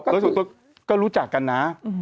ก็คือก็รู้จักกันนะ